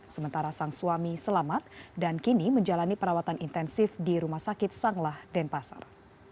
sementara sang suami selamat dan kini menjalani perawatan intensif di rumah sakit sanglah denpasar